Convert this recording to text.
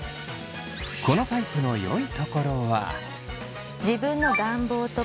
このタイプのよいところは。